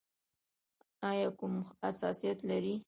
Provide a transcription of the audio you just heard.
ایا کوم حساسیت لرئ؟